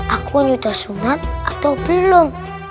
aku yang udah sunat atau belum